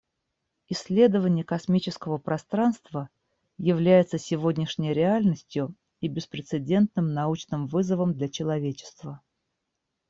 Исследование космического пространства является сегодняшней реальностью и беспрецедентным научным вызовом для человечества.